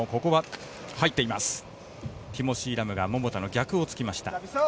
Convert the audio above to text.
ティモシー・ラムが桃田の逆を突きました。